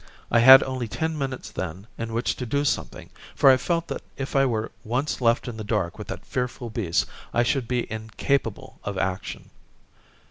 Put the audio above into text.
I had only ten minutes then in which to do something, for I felt that if I were once left in the dark with that fearful beast I should be incapable of action.